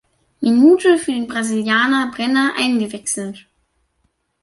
Minute für den Brasilianer Brenner eingewechselt.